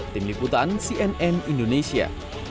tim liputan cnn indonesia